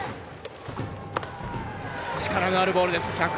力のあるボールです。